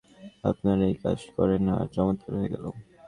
আপনারা এই কাজ করলেন, আর চমৎকার হয়ে গেল।